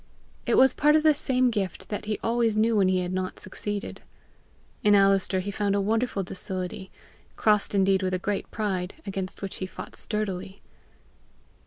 It was part of the same gift that he always knew when he had not succeeded. In Alister he found a wonderful docility crossed indeed with a great pride, against which he fought sturdily.